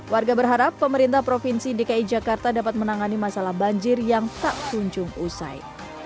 warga berharap pemerintah provinsi dki jakarta dapat menangani masalah banjir yang tak kunjung usai